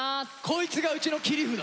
こいつがうちの切り札。